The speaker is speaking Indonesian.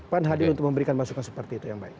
pan hadir untuk memberikan masukan seperti itu yang baik